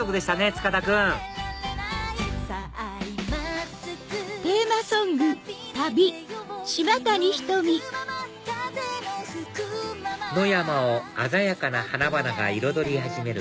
塚田君野山を鮮やかな花々が彩り始める